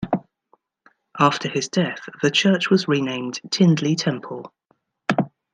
After his death, the church was renamed Tindley Temple.